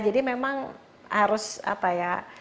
jadi memang harus apa ya